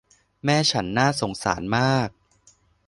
แม่ฉันน่าสงสารมาก